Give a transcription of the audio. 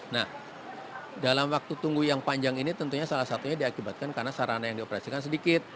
nah dalam waktu tunggu yang panjang ini tentunya salah satunya diakibatkan karena sarana yang dioperasikan sedikit